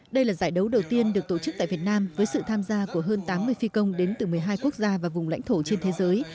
đây là giải đấu đầu tiên được tổ chức tại việt nam với sự tham gia của hơn tám mươi phi công đến từ một mươi hai quốc gia và vùng lãnh thổ trên thế giới